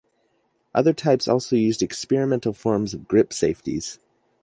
Other types also used experimental forms of grip safeties.